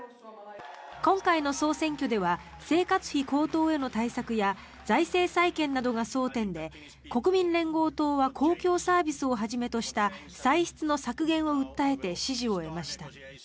今回の総選挙では生活費高騰への対策や財政再建などが争点で国民連合党は公共サービスをはじめとした歳出の削減を訴えて支持を得ました。